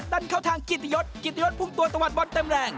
ดันเข้าทางกิตยศกิจยศพุ่มตัวตะวัดบอลเต็มแรง